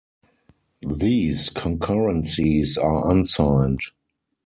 These concurrencies are unsigned.